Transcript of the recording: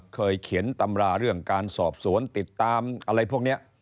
เคยเขียนตำราเรื่องการสอบสวนติดตามอะไรพวกนี้